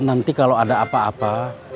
nanti kalau ada apa apa